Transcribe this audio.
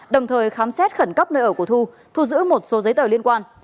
đồng thời khám xét khẩn cấp nơi ở của thu thu giữ một số giấy tờ liên quan